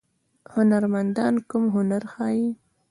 هنرمندان کوم هنر ښيي؟